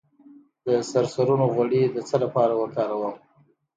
د سرسونو غوړي د څه لپاره وکاروم؟